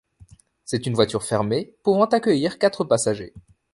C'est une voiture fermée, pouvant accueillir quatre passagers.